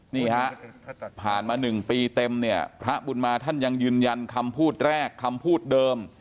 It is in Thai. นี่ฮะผ่านมา๑ปีเต็มเนี่ยพระบุญมาท่านยังยืนยันคำพูดแรกคำพูดเดิม